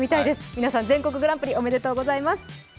皆さん全国グランプリおめでとうございます。